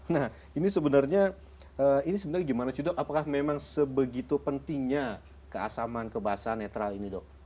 nah ini sebenarnya ini sebenarnya gimana sih dok apakah memang sebegitu pentingnya keasaman kebahasaan netral ini dok